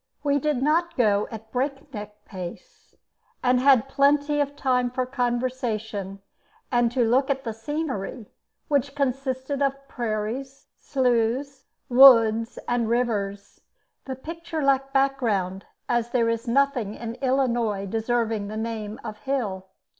We did not go at a breakneck pace, and had plenty of time for conversation, and to look at the scenery, which consisted of prairies, sloughs, woods, and rivers. The picture lacked background, as there is nothing in Illinois deserving the name of hill.